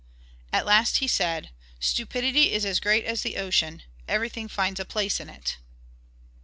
At last he said, "Stupidity is as great as the ocean; everything finds a place in it."